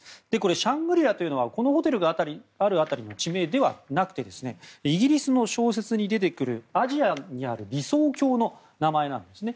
シャングリラというのはこのホテルがある辺りの地名ではなくてイギリスの小説に出てくるアジアにある理想郷の名前なんですね。